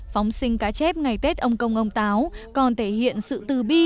phóng sinh cá chép ngày tết ông công ông táo còn thể hiện sự tư bi